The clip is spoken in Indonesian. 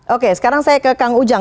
oke sekarang saya ke kang ujang